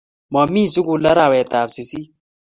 Mamie sugul arawet ab sisit